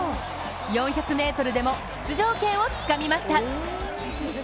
４００ｍでも出場権をつかみました。